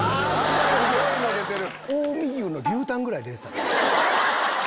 すごいの出てる！